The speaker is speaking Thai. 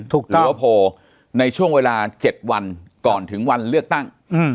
หรือว่าโพลในช่วงเวลา๗วันก่อนถึงวันเลือกตั้ง